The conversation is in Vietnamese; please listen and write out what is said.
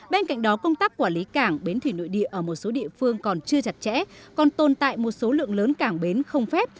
bên cạnh đó công tác quản lý cảng bến thủy nội địa ở một số địa phương còn chưa chặt chẽ còn tồn tại một số lượng lớn cảng bến không phép